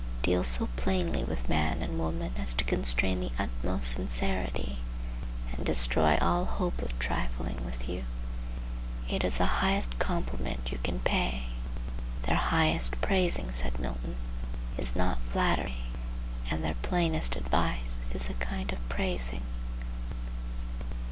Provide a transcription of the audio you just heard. Deal so plainly with man and woman as to constrain the utmost sincerity and destroy all hope of trifling with you. It is the highest compliment you can pay. Their "highest praising," said Milton, "is not flattery, and their plainest advice is a kind of praising."